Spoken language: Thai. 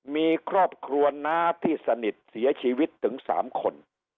มีครอบครัวน้าที่สนิทเสียชีวิตถึง๓คน